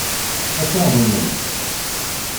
Ad taḍnem.